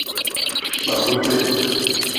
Kpahuta.